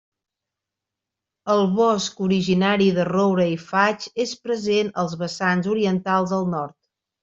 El bosc originari de roure i faig és present als vessants orientats al nord.